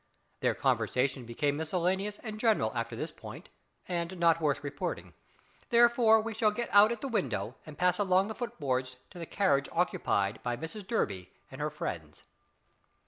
Their conversation became miscellaneous and general after this point, and not worth reporting, therefore we shall get out at the window and pass along the foot boards to the carriage occupied by Mrs Durby and her friends.